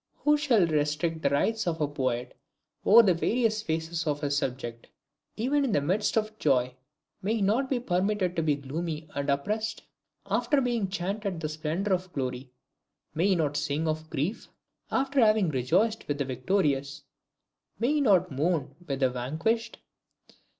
Who shall restrict the rights of a poet over the various phases of his subject? Even in the midst of joy, may he not be permitted to be gloomy and oppressed? After having chanted the splendor of glory, may he not sing of grief? After having rejoiced with the victorious, may he not mourn with the vanquished?